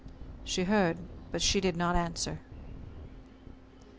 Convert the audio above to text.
She heard but she did not answer.